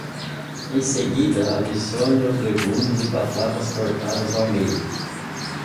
Em seguida, adicione os legumes e batatas cortadas ao meio.